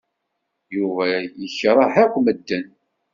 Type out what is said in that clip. Yuba yekṛeh akk medden.